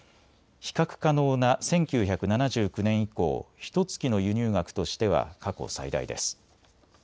比較可能な１９７９年以降、ひとつきの輸入額としては過去最大です。